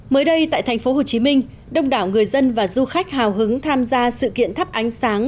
mới đây tại thành phố hồ chí minh đông đảo người dân và du khách hào hứng tham gia sự kiện thắp ánh sáng